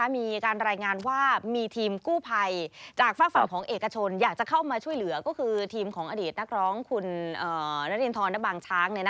มีการรายงานว่ามีทีมกู้ภัยจากฝากฝั่งของเอกชนอยากจะเข้ามาช่วยเหลือก็คือทีมของอดีตนักร้องคุณนรินทรนบางช้าง